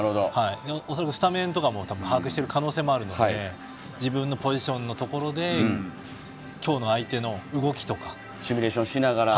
恐らくスタメンとかも把握している可能性もあるので自分のポジションで今日の相手の動きとかシミュレーションしながら。